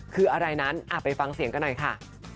คืออะไรนั้นไปฟังเสียงกันหน่อยค่ะ